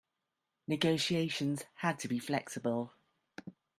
Negotiations had to be flexible.